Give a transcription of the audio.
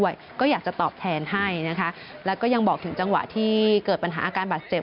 อย่างบอกถึงจังหวะที่เกิดปัญหาอาการบาดเจ็บ